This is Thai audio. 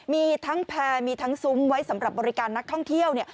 มีทั้งแพร่มีทั้งซุ้มไว้สำหรับบริการนักท่องเที่ยว